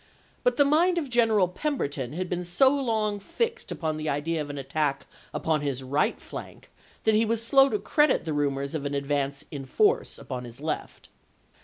But the mind of General Pemberton had been so long fixed upon the idea of an attack upon his right flank that he was slow to credit the rumors of an advance in force upon his left.